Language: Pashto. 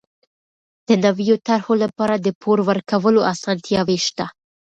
د نويو طرحو لپاره د پور ورکولو اسانتیاوې شته.